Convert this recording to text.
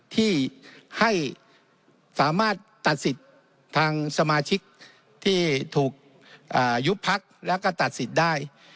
ที่ให้สามารถตัดสิทธิ์ทางสมาชิกที่ถูกยุบพักแล้วก็ตัดสิทธิ์ได้